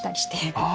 ああ！